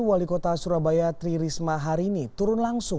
wali kota surabaya tri risma hari ini turun langsung